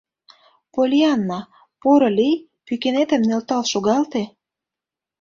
Поллианна, поро лий, пӱкенетым нӧлтал шогалте.